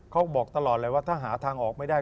เขาบอกตลอดเลยว่าถ้าหาทางออกไม่ได้